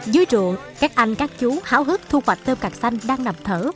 dưới trụ các anh các chú háo hức thu hoạch tôm càng xanh đang nằm thở